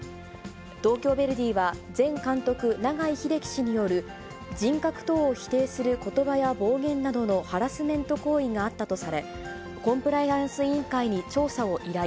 東京ヴェルディは、前監督、永井ひでき氏による人格等を否定することばや暴言などのハラスメント行為があったとされ、コンプライアンス委員会に調査を依頼。